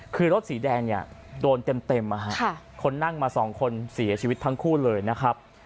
คือรถสีแดงเนี่ยโดนเต็มคนนั่งมาสองคนเสียชีวิตทั้งคู่เลยนะครับ